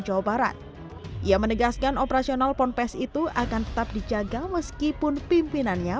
jawa barat ia menegaskan operasional ponpes itu akan tetap dijaga meskipun pimpinannya